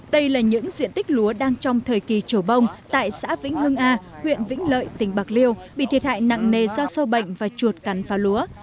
đây là những diện tích lúa đang trong thời kỳ trổ bông tại xã vĩnh hưng a huyện vĩnh lợi tỉnh bạc liêu bị thiệt hại nặng nề do sâu bệnh và chuột cắn phá lúa